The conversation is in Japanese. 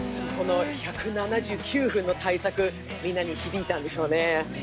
この１７９分の大作、みんなに響いたんでしょうね。